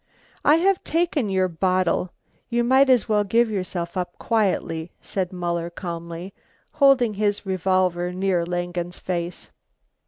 "I have taken your bottle, you might as well give yourself up quietly," said Muller calmly, holding his revolver near Langen's face.